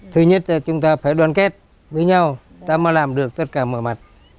thứ nhất là chúng ta phải đoàn kết với nhau ta mới làm được tất cả mọi mặt